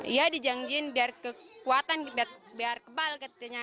iya dijanjiin biar kekuatan biar kebal katanya